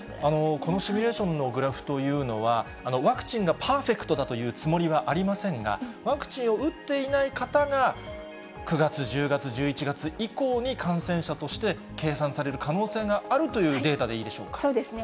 このシミュレーションのグラフというのは、ワクチンがパーフェクトだというつもりはありませんが、ワクチンを打っていない方が９月、１０月、１１月以降に感染者として計算される可能性があるというデータでそうですね。